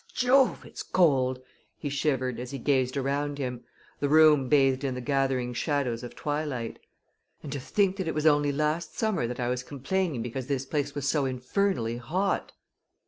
"Jove! it's cold!" He shivered, as he gazed around him, the room bathed in the gathering shadows of twilight. "And to think that it was only last summer that I was complaining because this place was so infernally hot!"